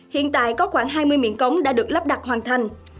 hiện tại có khoảng hai mươi miệng cống đã được lắp đặt hoàn thành